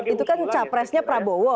itu kan capresnya prabowo